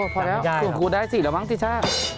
พอแล้วส่วนกูได้๔แล้วมั้งจิช่า